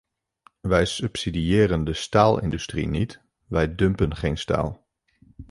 Wij subsidiëren de staalindustrie niet, wij dumpen geen staal.